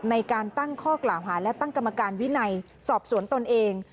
ในการตั้งข้อกล่าวหาและตั้งกรรมการวินัยสอบสวนตนเอง